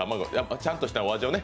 ちゃんとしたお味をね。